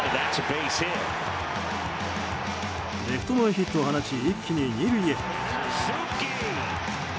レフト前ヒットを放ち一気に二塁へ。